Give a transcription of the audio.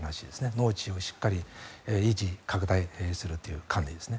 農地をしっかり維持・拡大するという観点です。